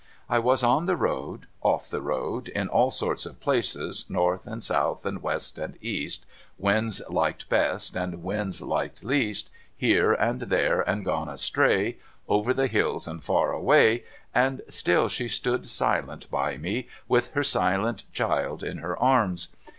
1 was on the road, off the road, in all sorts of places. North and South and West and East, Winds liked best and winds liked least. Here and there and gone astray, Over the hills and far away, and still she stood silent by me, with her silent child in her arms.